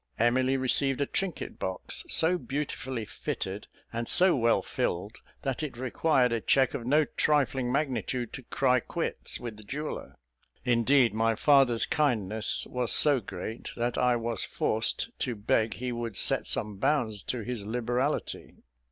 Emily received a trinket box, so beautifully fitted and so well filled, that it required a cheque of no trifling magnitude to cry quits with the jeweller; indeed my father's kindness was so great, that I was forced to beg he would set some bounds to his liberality.